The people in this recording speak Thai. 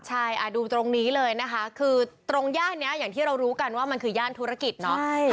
ใช่ดูตรงนี้เลยนะคะคือตรงย่านนี้อย่างที่เรารู้กันว่ามันคือย่านธุรกิจเนาะ